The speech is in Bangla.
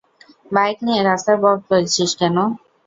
বাইক নিয়ে রাস্তা ব্লক করেছিস কেন?